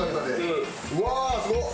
うわすごっ。